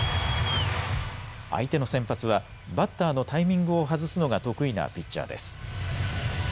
相手の先発はバッターのタイミングを外すのが得意なピッチャーです。